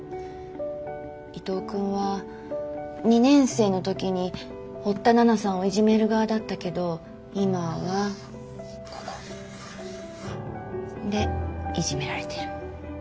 伊藤君は２年生の時に堀田奈々さんをいじめる側だったけど今はここ。んでいじめられてる。